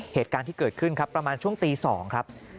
เหตุการณ์ที่เกิดขึ้นครับประมาณช่วงตี๒ครับ